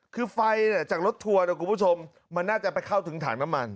คือไฟจากรถทัวร์นะคุณผู้ชมมันน่าจะไปเข้าถึงถังน้ำมัน